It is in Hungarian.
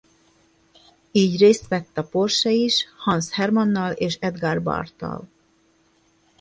Így részt vett a Porsche is Hans Herrmann-nal és Edgar Barth-tal.